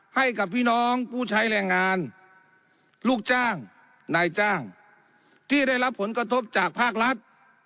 ให้กับพี่น้องผู้ใช้แรงงานลูกจ้างนายจ้างที่ได้รับผลกระทบจากภาครัฐ